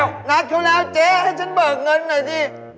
เหลือเท่านั้นแค่พอแล้วเจ๊ให้ฉันเบิกเงินหน่อยสิ